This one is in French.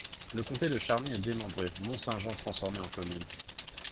Le comté de Charny est démembré, Mont-Saint-Jean transformé en commune.